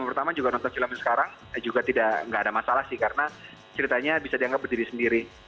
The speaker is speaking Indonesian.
pertama juga nonton film sekarang juga tidak ada masalah sih karena ceritanya bisa dianggap berdiri sendiri